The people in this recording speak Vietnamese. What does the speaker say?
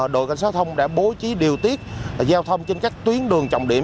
đội cảnh sát thông đã bố trí điều tiết giao thông trên các tuyến đường trọng điểm